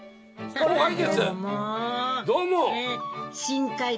どうも！